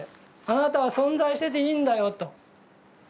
「あなたは存在してていいんだよ」と。